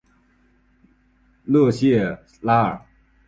勒谢拉尔。